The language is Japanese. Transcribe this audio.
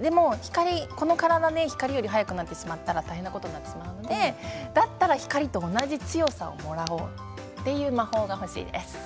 でも、この体で光より速くなってしまったら大変なことになってしまうのでだったら光と同じ強さをもらおうという魔法が欲しいです。